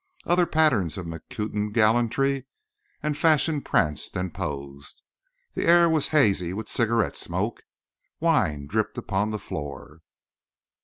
Other patterns of Macutian gallantry and fashion pranced and posed. The air was hazy with cigarette smoke. Wine dripped upon the floor.